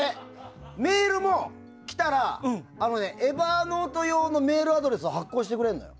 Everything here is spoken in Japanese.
メールも来たらＥｖｅｒｎｏｔｅ用のメールアドレスを発行してくれるのよ。